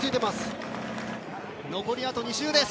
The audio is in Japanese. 残りあと２周です。